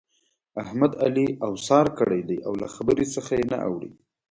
احمد؛ علي اوسار کړی دی او له خبرې څخه يې نه اوړي.